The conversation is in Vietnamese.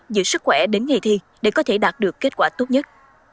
giữ sức khỏe đến ngày thi để có thể đạt được kết quả tốt nhất